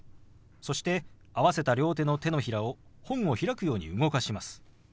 そして合わせた両手の手のひらを本を開くように動かします。